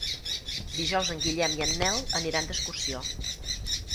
Dijous en Guillem i en Nel aniran d'excursió.